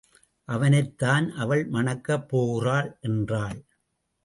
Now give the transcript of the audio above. அவனைத்தான் அவள் மணக்கப் போகிறாள் என்றாள்.